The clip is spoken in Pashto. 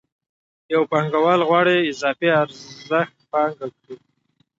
یو پانګوال غواړي چې اضافي ارزښت پانګه کړي